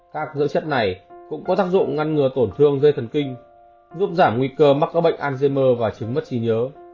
các dưỡng chất này cũng có tác dụng ngăn ngừa tổn thương dây thần kinh giúp giảm nguy cơ mắc các bệnh alzhemer và chứng mất trí nhớ